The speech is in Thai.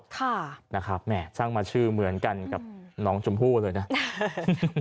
สร้างมาชื่อเหมือนกันกับน้องชมพู่เลยนะ